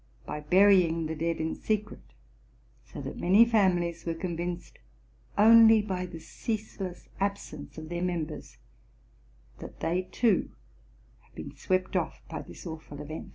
303 by burying the dead in secret; so that many families were convinced only by the ceaseless absence of their members that they, too, had been swept off by this awful event.